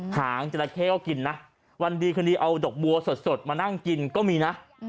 หางจราเข้ก็กินนะวันดีคืนดีเอาดอกบัวสดมานั่งกินก็มีนะ